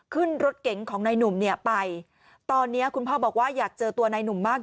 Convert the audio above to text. ขึ้นรถเก๋งของนายหนุ่มเนี่ยไปตอนเนี้ยคุณพ่อบอกว่าอยากเจอตัวนายหนุ่มมาก